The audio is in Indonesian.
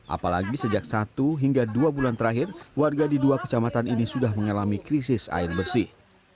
apalagi sejak satu hingga dua bulan terakhir warga di dua kecamatan ini sudah mengalami krisis air bersih